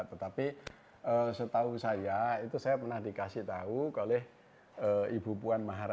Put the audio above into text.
tetapi setahu saya itu saya pernah dikasih tahu oleh ibu puan maharani